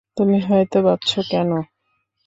তুমি হয়ত ভাবছ কেন।